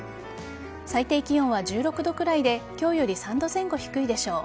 最低気温は１６度くらいで今日より３度前後低いでしょう。